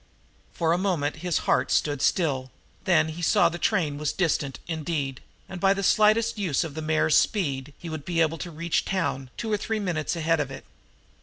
For a moment his heart stood still; then he saw that the train was distant indeed, and, by the slightest use of the mare's speed, he would be able to reach the town, two or three minutes ahead of it.